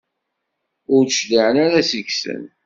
Ur d-cliɛen ara seg-sen?